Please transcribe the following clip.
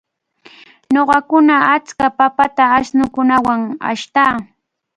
Nunakuna achka papata ashnukunawan ashtan.